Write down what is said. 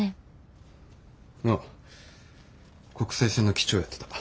ああ国際線の機長をやってた。